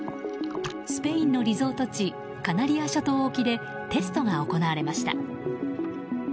スペインのリゾート地カナリア諸島沖でテストが行われました。